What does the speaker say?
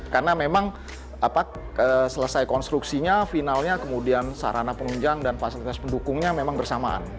karena memang selesai konstruksinya finalnya kemudian sarana pengunjang dan fasilitas pendukungnya memang bersamaan